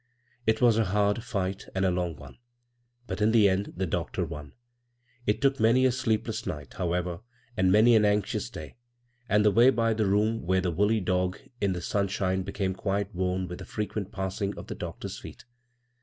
It was a hard fight and a long one, but in the end the doctor won. It took many a sleepless night, however, and many an anxious day; and the way by the room where lay the woolly dog in the sunshine be came quite worn with the frequent passing of the doctor's feet.